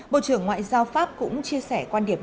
bộ trưởng ngoại giao pháp cũng chia sẻ